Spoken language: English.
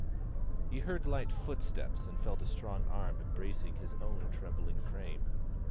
He heard light footsteps, and felt a strong arm embracing his own trembling frame.